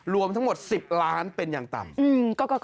รวมทั้งหมด๑๐ล้านเป็นอย่างต่ำ